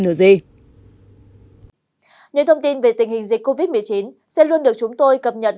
những thông tin về tình hình dịch covid một mươi chín sẽ luôn được chúng tôi cập nhật